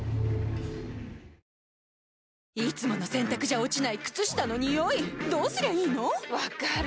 いつもの洗たくじゃ落ちない靴下のニオイどうすりゃいいの⁉分かる。